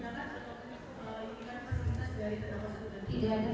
hal itu bukan seperti ini